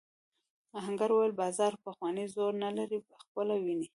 آهنګر وویل بازار پخوانی زور نه لري خپله وینې.